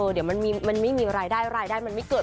เดี๋ยวมันมีมาดายมันไม่เกิด